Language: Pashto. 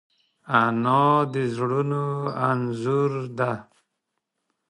انا د زړونو انځور ده